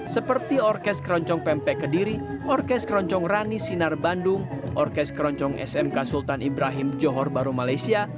seperti orkes keroncong pempek kediri orkes keroncong rani sinar bandung orkes keroncong smk sultan ibrahim johor baru malaysia